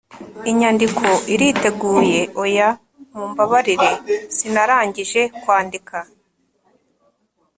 inyandiko iriteguye? oya, mumbabarire. sinarangije kwandika